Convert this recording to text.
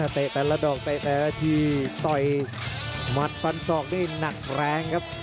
แต่ละดอกเตะแต่ละทีต่อยหมัดฟันศอกได้หนักแรงครับ